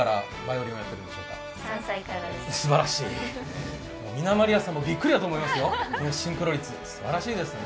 すばらしい、みなまりあさんもビックリだと思いますよ。